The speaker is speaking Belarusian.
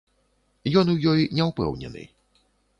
Ён у ёй не ўпэўнены.